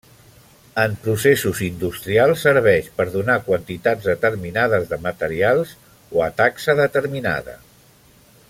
En processos industrials serveix per donar quantitats determinades de materials o a taxa determinada.